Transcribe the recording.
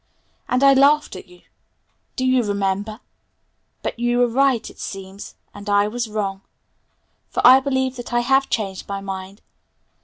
And I laughed at you. Do you remember? But you were right, it seems, and I was wrong. For I believe that I have changed my mind.